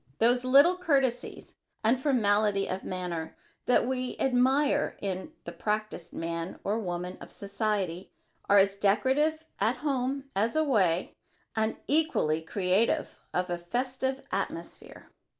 Those little courtesies and formalities of manner that we admire in the practised man or woman of society are as decorative at home as away and equally creative of a festive atmosphere.